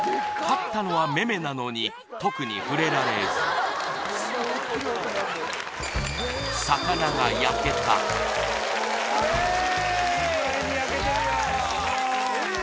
勝ったのはめめなのに特に触れられず・イエーイ！